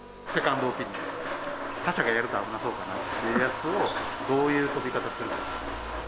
他社がやると危なそうかなっていうやつをどういう飛び方するのか。